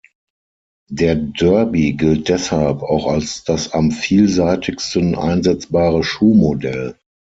Der Derby gilt deshalb auch als das am vielseitigsten einsetzbare Schuhmodell.